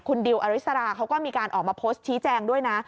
คุณดิวอริสราเขาก็มีการออกมาโพสต์ชี้แจงด้วยนะ